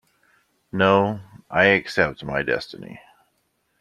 No, I accept my destiny.